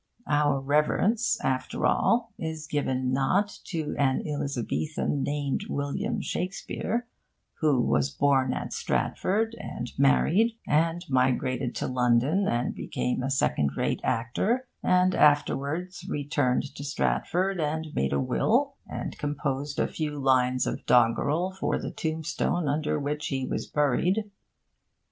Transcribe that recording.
Our reverence, after all, is given not to an Elizabethan named William Shakespeare, who was born at Stratford, and married, and migrated to London, and became a second rate actor, and afterwards returned to Stratford, and made a will, and composed a few lines of doggerel for the tombstone under which he was buried.